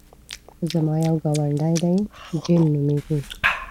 زما یو ګاونډی دی جین نومېږي.